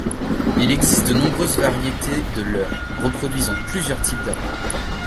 Il existe de nombreuses variétés de leurre, reproduisant plusieurs types d'appâts.